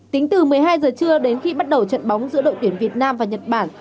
tính từ một mươi hai giờ trưa đến khi bắt đầu trận bóng giữa đội tuyển việt nam và nhật bản